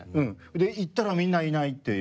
で行ったらみんないないっていう。